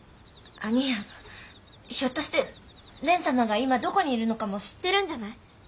兄やんひょっとして蓮様が今どこにいるのかも知ってるんじゃない？